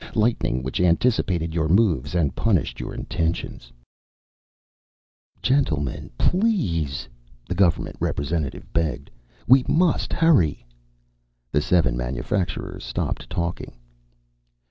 Lightning which anticipated your moves and punished your intentions. "Gentlemen, please," the government representative begged. "We must hurry." The seven manufacturers stopped talking.